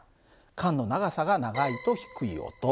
管の長さが長いと低い音。